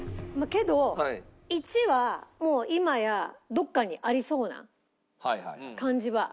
けど１はもう今やどこかにありそうな感じは。